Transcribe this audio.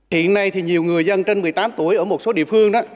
hiện nay thì nhiều người dân trên một mươi tám tuổi ở một số địa phương đó